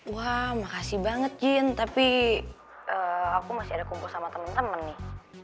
wah makasih banget jin tapi aku masih ada kumpul sama teman teman nih